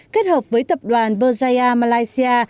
kết hợp với tập đoàn berjaya malaysia